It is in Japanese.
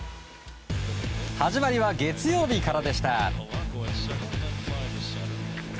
始まりは月曜日からでした。